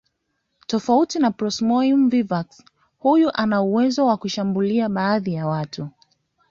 Tofauti na Plasmoium vivax huyu ana uwezo wa kushambulia baadhi ya watu